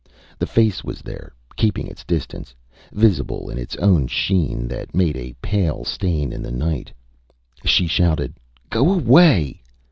The face was there, keeping its distance, visible in its own sheen that made a pale stain in the night. She shouted, ÂGo away!